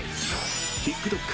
ＴｉｋＴｏｋ